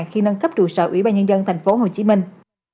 khi nâng cấp trụ sở ủy ban nhân dân thành phố hồ chí minh